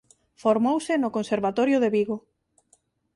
Formouse no conservatorio de Vigo.